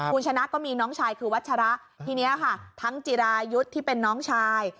คุณชนะก็มีน้องชายคือวัชระทีนี้ค่ะทั้งจิรายุทธ์ที่เป็นน้องชาย